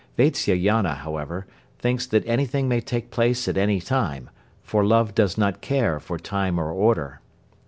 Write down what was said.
Vatsyayana, however, thinks that anything may take place at any time, for love does not care for time or order.